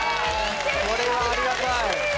これはありがたい！